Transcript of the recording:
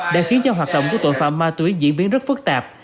đã khiến cho hoạt động của tội phạm ma túy diễn biến rất phức tạp